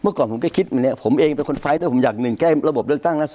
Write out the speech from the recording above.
เมื่อก่อนผมก็คิดผมเองเป็นคนไฟล์ทผมอยากหนึ่งแก้ระบบเรื่องตั้งนะ